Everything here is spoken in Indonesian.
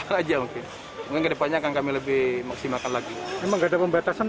saja mungkin dengan kedepannya akan kami lebih maksimalkan lagi untuk masker di kawasan ini